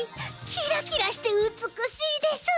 キラキラしてうつくしいです！